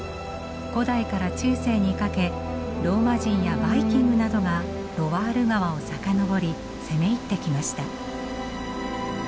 古代から中世にかけローマ人やバイキングなどがロワール川を遡り攻め入ってきました。